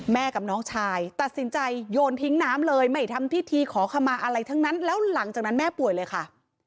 กับน้องชายตัดสินใจโยนทิ้งน้ำเลยไม่ทำพิธีขอขมาอะไรทั้งนั้นแล้วหลังจากนั้นแม่ป่วยเลยค่ะ